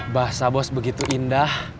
bahasa bos begitu indah